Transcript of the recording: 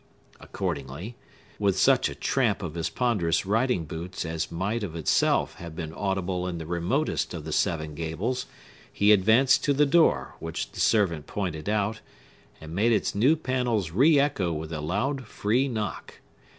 Accordingly, with such a tramp of his ponderous riding boots as might of itself have been audible in the remotest of the seven gables, he advanced to the door, which the servant pointed out, and made its new panels reecho with a loud, free knock.